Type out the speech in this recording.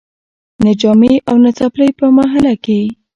نه جامې او نه څپلۍ په محله کي